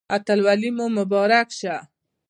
اتلولي مو مبارک شه